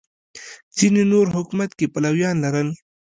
ځینې نور حکومت کې پلویان لرل